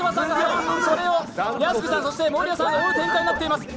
それを屋敷さん、森田さんが追う展開になっています。